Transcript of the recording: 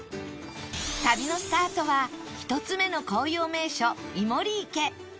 旅のスタートは１つ目の紅葉名所いもり池